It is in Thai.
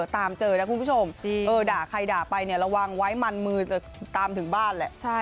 ตามเจอนะคุณผู้ชมด่าใครด่าไปเนี่ยระวังไว้มันมือจะตามถึงบ้านแหละ